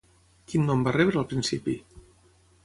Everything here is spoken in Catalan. Quin nom va rebre al principi?